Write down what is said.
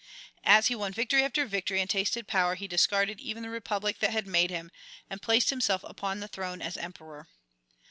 As he won victory after victory and tasted power he discarded even the Republic that had made him, and placed himself upon the throne as Emperor.